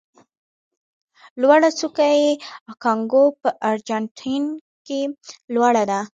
لوړه څوکه یې اکانکاګو په ارجنتاین کې لوړه ده.